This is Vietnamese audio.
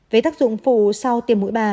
về tác dụng phù sau tiêm mũi ba